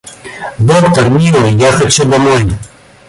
— Доктор, милый, я хочу домой.